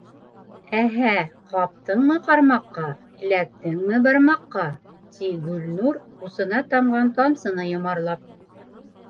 - Эһә, ҡаптыңмы ҡармаҡҡа, эләктеңме бармаҡҡа! - ти Гөлнур, усына тамған тамсыны йомарлап.